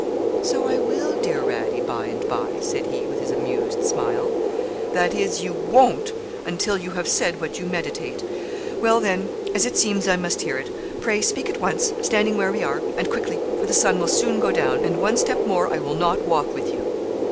'So I will, dear Radie, by and by,' said he, with his amused smile. 'That is, you won't until you have said what you meditate. Well, then, as it seems I must hear it, pray speak at once, standing where we are, and quickly, for the sun will soon go down, and one step more I will not walk with you.'